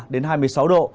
đến hai mươi sáu độ